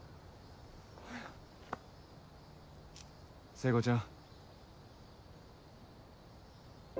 聖子ちゃん。